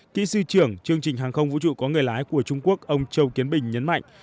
kỹ sư trưởng chương trình hàng không vũ trụ có người lái của trung quốc ông châu kiến bình nhấn mạnh